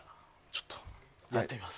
ちょっとやってみます。